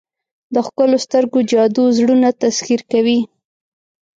د ښکلو سترګو جادو زړونه تسخیر کوي.